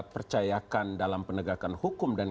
percayakan dalam penegakan hukum dan